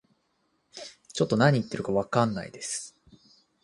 ちょっと何言ってるかわかんないです